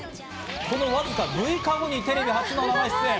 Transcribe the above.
そのわずか６日後にテレビ初生出演。